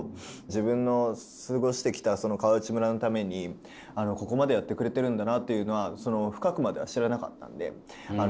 自分の過ごしてきた川内村のためにここまでやってくれてるんだなっていうのはその深くまでは知らなかったんで。